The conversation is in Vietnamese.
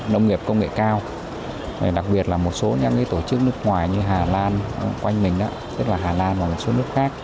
nông nghiệp công nghệ cao đặc biệt là một số những tổ chức nước ngoài như hà lan quanh mình tức là hà lan và một số nước khác